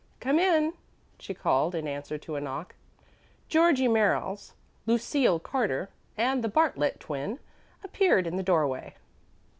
Come in," she called in answer to a knock. Georgie Merriles, Lucille Carter, and the Bartlet Twin appeared in the doorway.